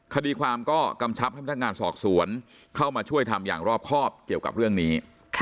คดีความก็กำชับให้พนักงานสอบสวนเข้ามาช่วยทำอย่างรอบครอบเกี่ยวกับเรื่องนี้